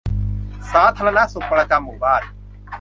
สาธารณสุขประจำหมู่บ้าน